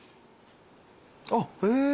あっへぇ。